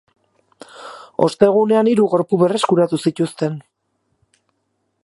Ostegunean hiru gorpu berreskuratu zituzten.